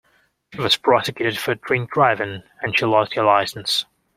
She was prosecuted for drink-driving, and she lost her licence